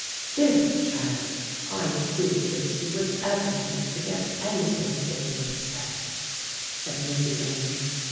"Dear child, I do wish you would ever think to get any thing for yourself," said Mrs. Ames.